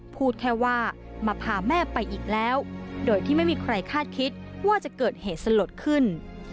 พูดแค่ว่ามาพาแม่ไปอีกแล้วโดยที่ไม่มีใครคาดคิดว่าจะเกิดเหตุสลดขึ้น